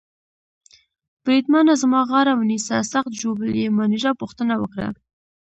بریدمنه زما غاړه ونیسه، سخت ژوبل يې؟ مانیرا پوښتنه وکړه.